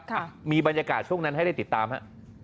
ค่ะมีบรรยากาศช่วงนั้นให้ได้ติดตามฮะ